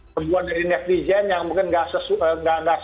kebuatan dari netizen yang mungkin gak sesuai